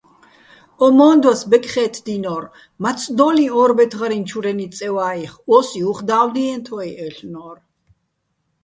ო მო́ნდვას ბეკხე́თდინო́რ, მაცდო́ლიჼ ო́რბეთღარიჼ ჩურენი წე ვაიხ, ო́სი უ̂ხ და́ვიდიენთვაჲ-აჲლ'ნო́რ.